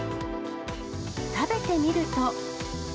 食べてみると。